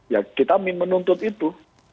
ya kita menuntut itu